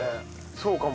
そうかも。